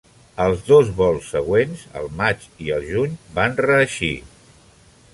Els dos vols següents, al maig i el juny, van reeixir.